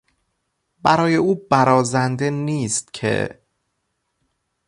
برای او برازنده نیست که...